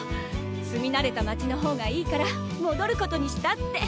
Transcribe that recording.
住み慣れた街の方がいいからもどることにしたって。